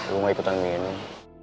gue gak ikutan minum